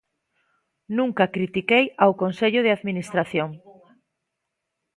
Nunca critiquei ao consello de administración.